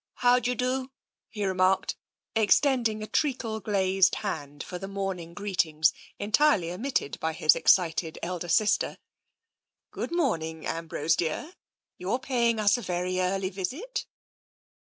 " How do you do ?'^ he remarked, extending a treacle glazed hand for the morning greetings entirely omitted by his excited elder sister. " Good morning, Ambrose dear. You're paying us a very early visit."